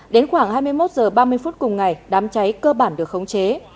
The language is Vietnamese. đến khoảng hai mươi một h ba mươi phút cùng ngày đám cháy cơ bản được khống chế